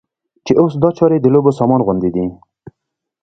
چې اوس دا چارې د لوبو سامان غوندې دي.